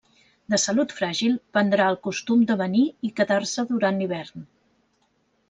De salut fràgil, prendrà el costum de venir i quedar-se durant l'hivern.